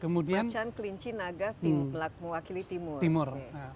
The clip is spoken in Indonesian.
macan kelinci naga mewakili timur